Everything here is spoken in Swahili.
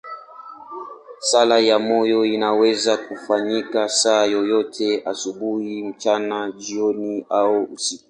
Sala ya moyo inaweza kufanyika saa yoyote, asubuhi, mchana, jioni au usiku.